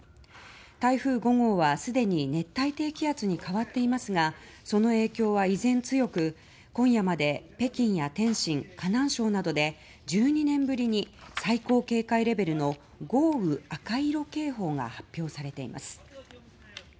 台風５号はすでに熱帯低気圧に変わっていますがその影響は依然強く、今夜まで北京や天津、河南省などで１２年ぶりに最高警戒レベルの豪雨赤色警報が発表されています。